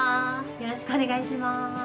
よろしくお願いします。